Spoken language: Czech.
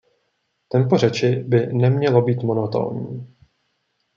Tempo řeči by nemělo být monotónní.